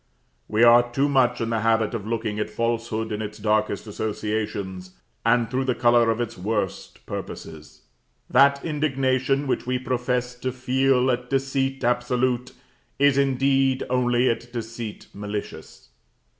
We are too much in the habit of looking at falsehood in its darkest associations, and through the color of its worst purposes. That indignation which we profess to feel at deceit absolute, is indeed only at deceit malicious.